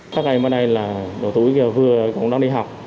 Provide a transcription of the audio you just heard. các em ở đây là đồ túi kia vừa còn đang đi học